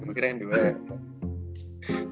kira kira yang di wehman